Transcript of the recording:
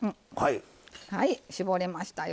はい絞れましたよ。